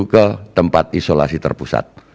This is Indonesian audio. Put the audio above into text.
ke tempat isolasi terpusat